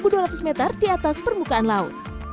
dan satu dua ratus meter di atas permukaan laut